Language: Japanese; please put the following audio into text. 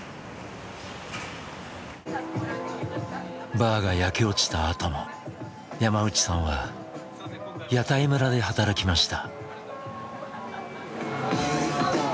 バーが焼け落ちたあとも山内さんは屋台村で働きました。